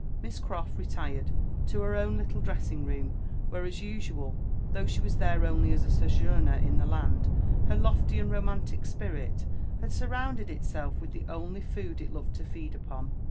Hiss Croft retired to her own little dressing room, where, as usual, though she was there only as a sojourner in the land, her lofty and romantic spirit had surrounded itself with the only food it loved to feed upon.